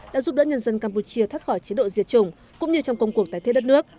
đã giúp đỡ nhân dân campuchia thoát khỏi chế độ diệt chủng cũng như trong công cuộc tái thiết đất nước